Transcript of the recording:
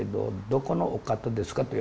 「どこのお方ですか」と。